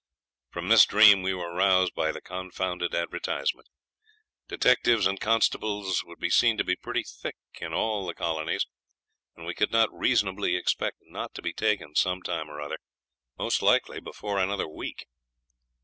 From this dream we were roused up by the confounded advertisement. Detectives and constables would be seen to be pretty thick in all the colonies, and we could not reasonably expect not to be taken some time or other, most likely before another week.